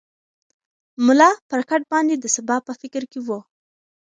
ملا پر کټ باندې د سبا په فکر کې و.